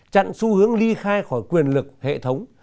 chặn xu hướng ly khai khỏi quyền lực hệ thống